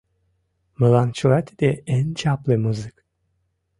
Мылам чыла тиде эн чапле музык.